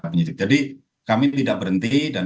penyidik jadi kami tidak berhenti dan